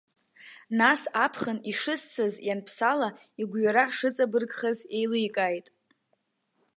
Нас аԥхын ишыссаз ианԥсала, игәҩара шыҵабыргхаз еиликааит.